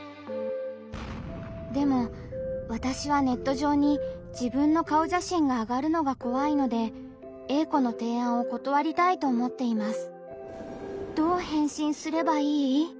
でもわたしはネット上に自分の顔写真があがるのが怖いのでＡ子の提案を断りたいと思っています。